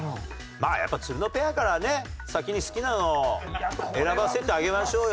まあやっぱつるのペアからね先に好きなの選ばせてあげましょうよ。